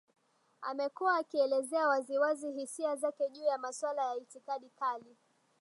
amekuwa akielezea wazi wazi hisia zake juu ya maswala ya itikadi kali